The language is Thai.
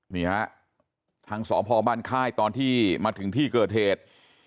นี่ฮะทางสพบ้านค่ายตอนที่มาถึงที่เกิดเหตุ